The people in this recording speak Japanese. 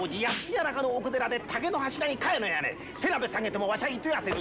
谷中の奥寺で竹の柱に、かやの屋根手鍋下げてもわしゃいとやせぬ。